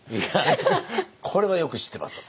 これはよく知ってます。